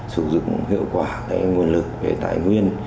sử dụng hiệu quả nguồn lực về tài nguyên